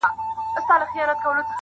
چي پیدا دی له قسمته څخه ژاړي-